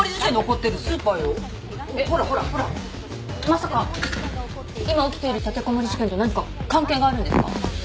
まさか今起きている立てこもり事件と何か関係があるんですか？